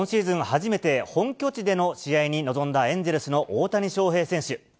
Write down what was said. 初めて、本拠地での試合に臨んだエンゼルスの大谷翔平選手。